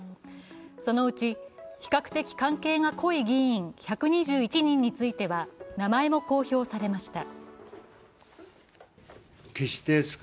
そのうち、比較的関係が濃い議員１２１人については名前も公表されました。